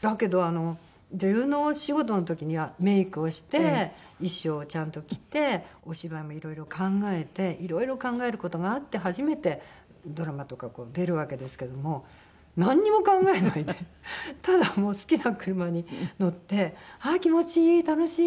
だけどあの女優のお仕事の時にはメイクをして衣装をちゃんと着てお芝居もいろいろ考えていろいろ考える事があって初めてドラマとか出るわけですけどもなんにも考えないでただ好きな車に乗って「はあ気持ちいい！楽しい！」